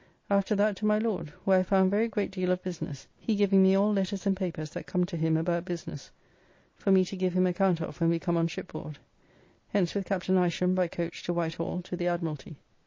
After that to my Lord, where I found very great deal of business, he giving me all letters and papers that come to him about business, for me to give him account of when we come on shipboard. Hence with Capt. Isham by coach to Whitehall to the Admiralty.